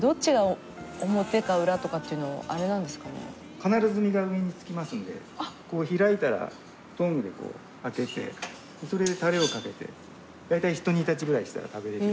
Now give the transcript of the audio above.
必ず身が上につきますんで開いたらトングで開けてそれでタレをかけて大体ひと煮立ちぐらいしたら食べられるようになります。